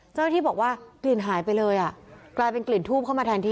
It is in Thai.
เจ้าหน้าที่บอกว่ากลิ่นหายไปเลยอ่ะกลายเป็นกลิ่นทูบเข้ามาแทนที่